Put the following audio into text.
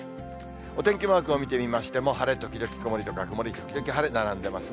お天気マークを見てみましても、晴れ時々曇りとか、曇り時々晴れ、並んでますね。